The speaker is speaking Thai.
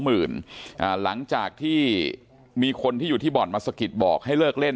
หมื่นอ่าหลังจากที่มีคนที่อยู่ที่บ่อนมาบอกให้เลิกเล่น